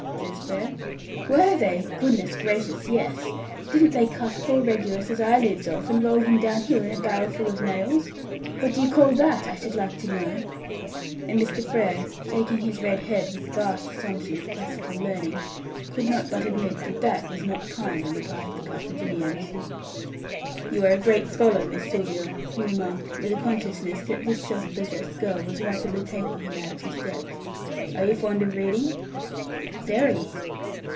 says Frere. "Were they! Goodness gracious, yes! Didn't they cut poor Regulus's eyelids off, and roll him down hill in a barrel full of nails? What do you call that, I should like to know?" and Mr. Frere, shaking his red head with vast assumption of classical learning, could not but concede that that was not kind on the part of the Carthaginians. "You are a great scholar, Miss Sylvia," he remarked, with a consciousness that this self possessed girl was rapidly taking him out of his depth. "Are you fond of reading?" "Very."